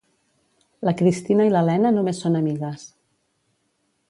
La Cristina i l'Elena només són amigues.